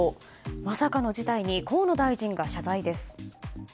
まさかの事態に河野大臣が謝罪です。